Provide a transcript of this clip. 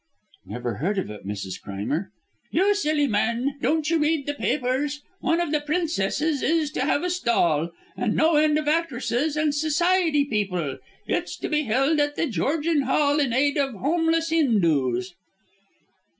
"Never heard of it, Mrs. Crimer." "You silly man; don't you read the papers? One of the Princesses is to have a stall, and no end of actresses and society people. It's to be held at The Georgian Hall in aid of Homeless Hindoos."